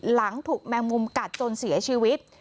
หลังถูกแมงมุมกัดจนเสียชีวิต